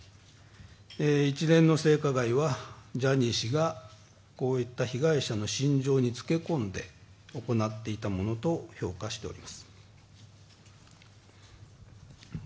一連の性加害はジャニー氏がこういった被害者の心情につけ込んで行っていたものと評価しております。